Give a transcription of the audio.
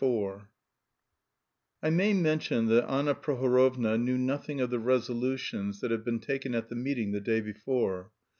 IV I may mention that Anna Prohorovna knew nothing of the resolutions that had been taken at the meeting the day before.